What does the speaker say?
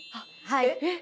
えっ？